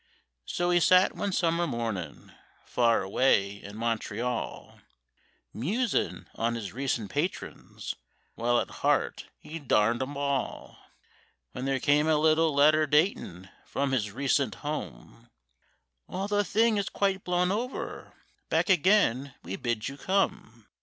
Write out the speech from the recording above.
So he sat one summer mornin', far away in Montreal, Musin' on his recent patrons, while at heart he darned 'em all, When there came a little letter datin' from his recent home,— "All the thing is quite blown over, back again we bid you come.